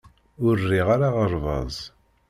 Ur riɣ ara aɣerbaz.